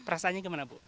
perasaannya gimana bu